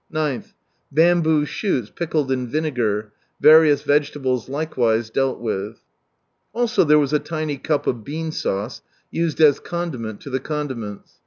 9th, Bamboo shoots, pickled in vinegar. Various vegetables likewise dealt \ with. Also there was a tiny cup of bean sauce, used as condiment to the condiments.